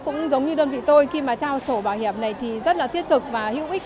cũng giống như đơn vị tôi khi mà trao sổ bảo hiểm này thì rất là thiết thực và hữu ích